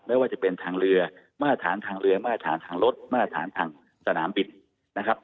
ไม่ว่าจะเป็นทางเรือมาตรฐานทางเรือมาตรฐานทางรถมาตรฐานทางสนามบินนะครับ